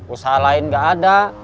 usaha lain gak ada